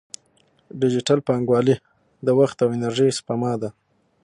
ډیجیټل بانکوالي د وخت او انرژۍ سپما ده.